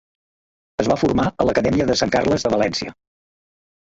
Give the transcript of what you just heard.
Es va formar a l'Acadèmia de Sant Carles de València.